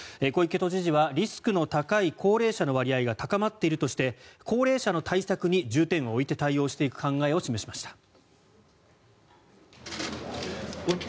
小池都知事はリスクの高い高齢者の割合が高まっているとして高齢者の対策に重点を置いて対応していく考えを示しました。